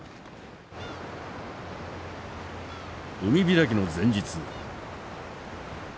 海開きの前日。